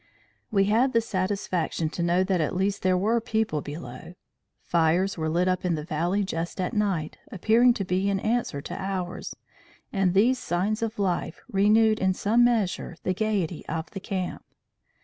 "We had the satisfaction to know that at least there were people below. Fires were lit up in the valley just at night, appearing to be in answer to ours; and these signs of life renewed, in some measure, the gayety of the camp.